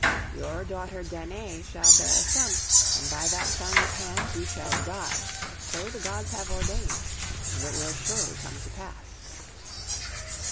Your daughter Danae shall bear a son, and by that son's hands you shall die. So the Gods have ordained, and it will surely come to pass.